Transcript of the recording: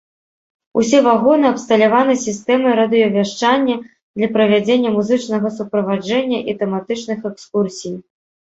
Усе вагоны абсталяваны сістэмай радыёвяшчання для правядзення музычнага суправаджэння і тэматычных экскурсій.